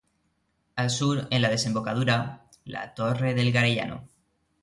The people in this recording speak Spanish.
Al sur, en la desembocadura, la Torre del Garellano.